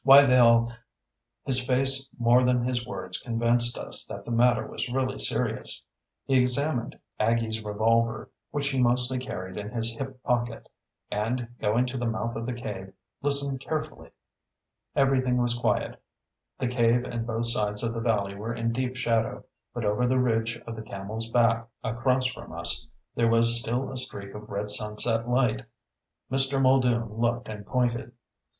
Why, they'll " His face more than his words convinced us that the matter was really serious. He examined Aggie's revolver, which he mostly carried in his hip pocket, and, going to the mouth of the cave, listened carefully. Everything was quiet. The cave and both sides of the valley were in deep shadow, but over the ridge of the Camel's Back across from us there was still a streak of red sunset light. Mr. Muldoon looked and pointed.